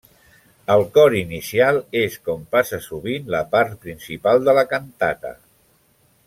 El cor inicial és, com passa sovint, la part principal de la cantata.